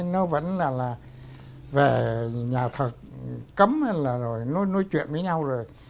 nó vẫn là là về nhà thật cấm là rồi nó nói chuyện với nhau rồi